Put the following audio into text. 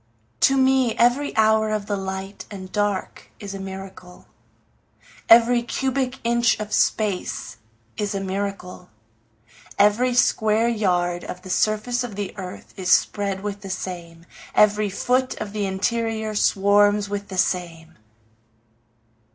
To me every hour of the light and dark is a miracle, Every cubic inch of space is a miracle, Every square yard of the surface of the earth is spread with the same, Every foot of the interior swarms with the same.